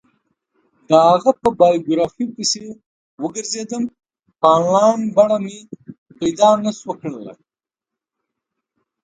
د هغه په بایوګرافي پسې وگرځېدم، په انلاین بڼه مې پیدا نه شوه کړلی.